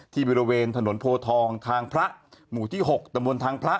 บริเวณถนนโพทองทางพระหมู่ที่๖ตะบนทางพระ